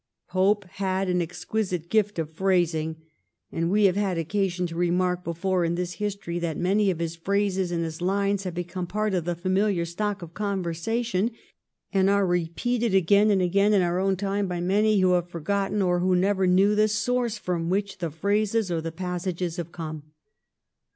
Pope had an exquisite gift of phrasing, and we have had occasion to remark before in this history that many of his phrases and his lines have become part of the familiar stock of conversation, and are repeated again and again in our own time by many who have forgotten, or who never knew, the source from which the phrases or the passages have come.